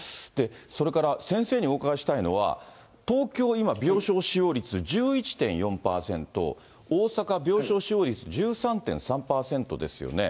それから、先生にお伺いしたいのは、東京、今、病床使用率１１．４％、大阪、病床使用率１３．３％ですよね。